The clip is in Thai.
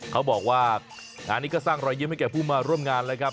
เขาบอกว่างานนี้ก็สร้างรอยยิ้มให้แก่ผู้มาร่วมงานแล้วครับ